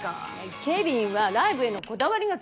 ケビンはライブへのこだわりが強いのよ。